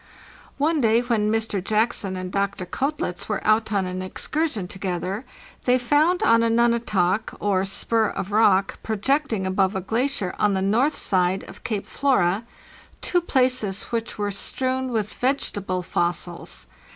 — One day when Mr. Jackson and Dr. Koetlitz were out on an excursion together they found on a " nunatak," or spur of rock, projecting above a glacier on the north side of Cape Flora, two places which were strewn with vegetable fossils.